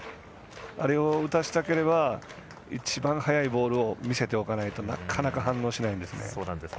あれを打たせたければ一番速いボールを見せておかないとなかなか反応しないんですね。